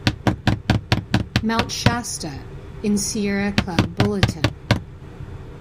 "Mount Shasta" in "Sierra Club Bulletin.